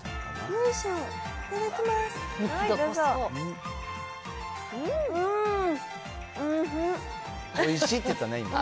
おいしいって言ったね、今。